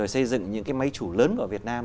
xây dựng những máy chủ lớn ở việt nam